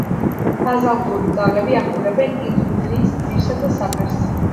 ბაზალტური ძალები ახურებენ ინტრუზიის ძირსა და საფარს.